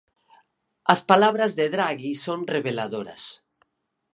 As palabras de Draghi son reveladoras.